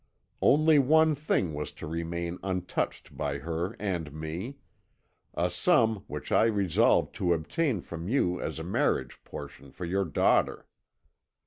Only one thing was to remain untouched by her and me a sum which I resolved to obtain from you as a marriage portion for your daughter.